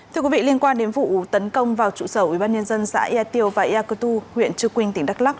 thưa quý vị liên quan đến vụ tấn công vào trụ sở ubnd xã yà tiêu và ya cơ tu huyện trư quynh tỉnh đắk lắc